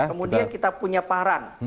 kemudian kita punya paran